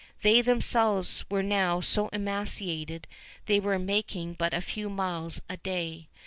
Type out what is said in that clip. They themselves were now so emaciated they were making but a few miles a day.